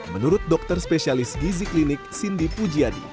menurut dokter spesialis gizi klinik cindy pujiadi